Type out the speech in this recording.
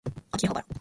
秋葉原